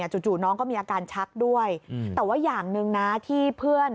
จู่น้องก็มีอาการชักด้วยแต่ว่าอย่างหนึ่งนะที่เพื่อน